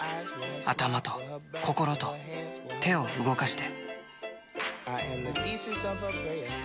頭と心と手を動かして。